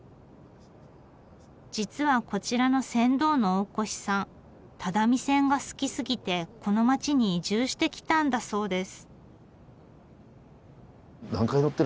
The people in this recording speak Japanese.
実はこちらの船頭の大越さん只見線が好きすぎてこの町に移住してきたんだそうです。